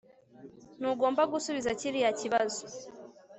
Ntugomba gusubiza kiriya kibazo